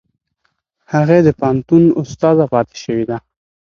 هغې د پوهنتون استاده پاتې شوې ده.